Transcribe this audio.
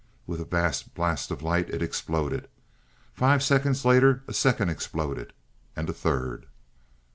With a vast blast of light, it exploded. Five seconds later a second exploded. And a third.